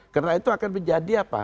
karena itu akan menjadi apa